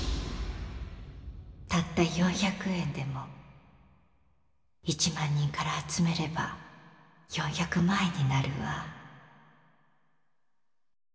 たった４００円でも１万人から集めれば４００万円になるわ。